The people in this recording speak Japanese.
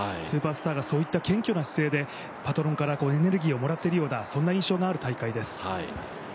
スーパースターがそういった謙虚な姿勢でパトロンからエネルギーをもらっているような印象がある大会です。